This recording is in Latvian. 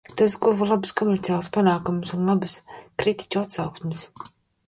Tas guva labus komerciālus panākumus un labas kritiķu atsauksmes.